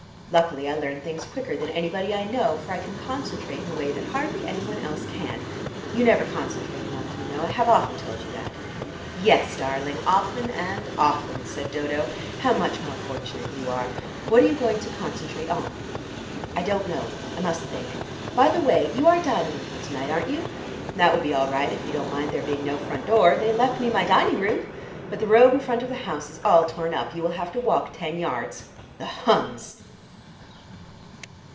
Luckily I learn things quicker than anybody I know, for I can concentrate in a way that hardly anyone else can. You never concentrate enough, you know. I have often told you that." "Yes, darling, often and often," said Dodo. "How much more fortunate you are! What are you going to concentrate on?" "I don't know. I must think. By the way, you are dining with me to night, aren't you? That will be all right, if you don't mind there being no front door; they left me my dining room. But the road in front of the house is all torn up; you will have to walk ten yards. The Huns!"